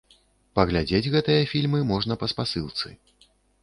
Паглядзець гэтыя фільмы можна па спасылцы.